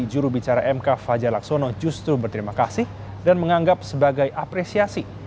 jurubicara mk fajar laksono justru berterima kasih dan menganggap sebagai apresiasi